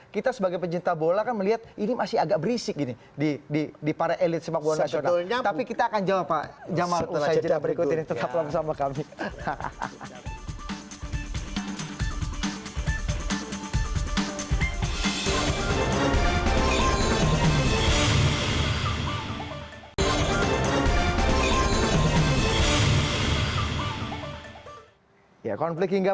ketua umum yang terpilih nanti